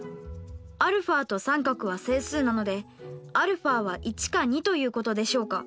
αと△は整数なのでαは１か２ということでしょうか？